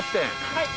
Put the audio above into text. はい。